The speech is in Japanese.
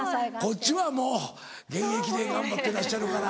こっちはもう現役で頑張ってらっしゃるから。